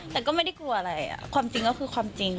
แต่ก็ไม่ได้กลัวอะไรความจริงก็คือความจริง